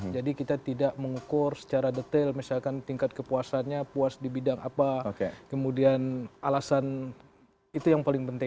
jadi kita tidak mengukur secara detail misalkan tingkat kepuasannya puas di bidang apa kemudian alasan itu yang paling penting